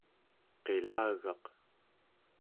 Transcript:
qilagaq¹